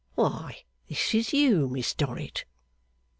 Why, this is you, Miss Dorrit!